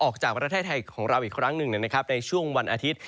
ของเราอีกครั้งหนึ่งนะครับในช่วงวันอาทิตย์